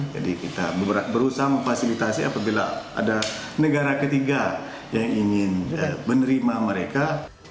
jadi kita berusaha memfasilitasi apabila ada negara ketiga yang ingin menerima mereka